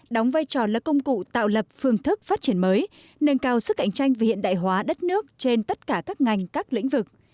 đóng vai trò là công cụ tạo lập phương thức phát triển mới nâng cao sức cạnh tranh và hiện đại hóa đất nước trên tất cả các ngành các lĩnh vực